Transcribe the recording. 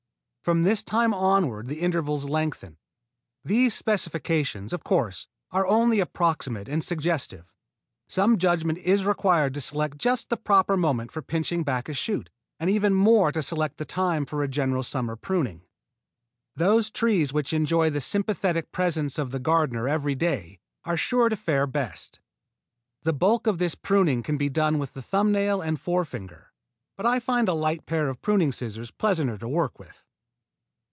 From this time onward the intervals lengthen. These specifications, of course, are only approximate and suggestive. Some judgment is required to select just the proper moment for pinching back a shoot and even more to select the time for a general summer pruning. Those trees which enjoy the sympathetic presence of the gardener every day are sure to fare best. The bulk of this pruning can be done with the thumb nail and forefinger, but I find a light pair of pruning scissors pleasanter to work with.